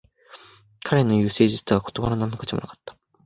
彼の言う誠実という言葉は何の価値もなかった